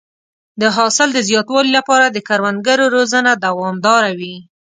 د حاصل د زیاتوالي لپاره د کروندګرو روزنه دوامداره وي.